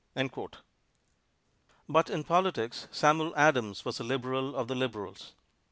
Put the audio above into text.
But in politics, Samuel Adams was a liberal of the liberals.